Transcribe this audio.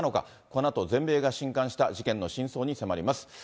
このあと全米がしんかんした事件の真相に迫ります。